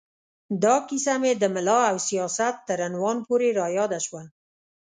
دا کیسه مې د ملا او سیاست تر عنوان پورې را یاده شوه.